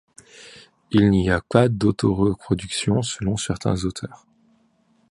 Il n'y a pas d'autoreproduction selon certains auteurs.